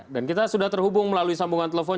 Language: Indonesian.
dan kita sudah terhubung melalui sambungan telepon